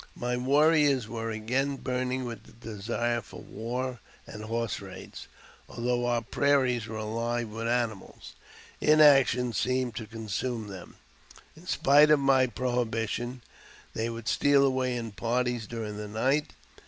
My warriors were again burning with the desire for war and horse raids, although our prairies were alive with animals. Inaction seemed to consume them. In spite of my prohibition, they would steal away in parties during the night.